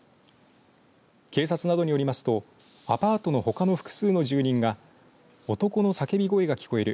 警察などによりますとアパートのほかの複数の住人が男の叫び声が聞こえる。